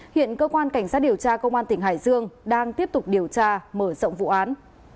hiện cơ quan cảnh sát điều tra công an tỉnh hải dương đang tiếp tục điều tra mở rộng vụ án